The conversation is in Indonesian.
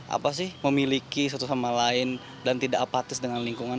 apa sih memiliki satu sama lain dan tidak apatis dengan lingkungan